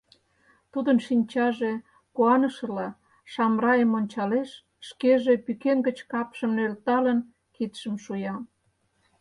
Тудын шинчаже, куанышыла, Шамрайым ончалеш, шкеже, пӱкен гыч капшым нӧлталын, кидшым шуя.